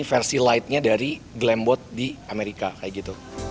versi lightnya dari glambot di amerika kayak gitu